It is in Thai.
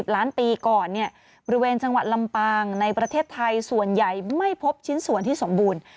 ล้านปีก่อนบริเวณจังหวัดลำปางในประเทศไทยส่วนใหญ่ไม่พบชิ้นส่วนที่สมบูรณ์